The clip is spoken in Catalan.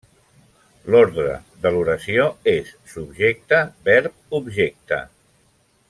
L'ordre de l'oració és Subjecte-Verb-Objecte.